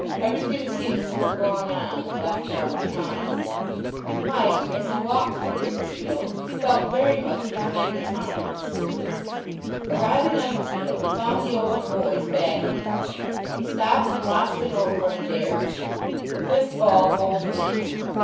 Everything seems to have gone on and left one behind. Mike, as he walked to the cricket field, felt very much behind the times. Arriving on the field he found the Old Boys batting. He stopped and watched an over of Adair's. The fifth ball bowled a man.